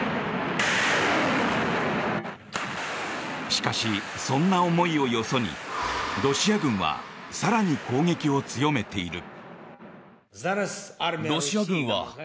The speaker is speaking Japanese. しかし、そんな思いをよそにロシア軍は更に攻撃を強めている。